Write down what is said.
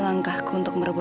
sampai jumpa lagi